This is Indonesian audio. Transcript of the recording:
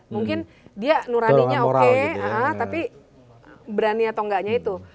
mungkin dia nuraninya oke tapi berani atau enggaknya itu